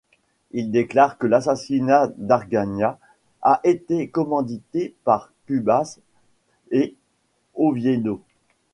Ils déclarent que l'assassinat d'Argaña a été commandité par Cubas et Oviedo.